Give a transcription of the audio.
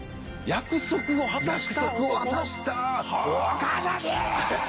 約束を果たした「岡崎！」。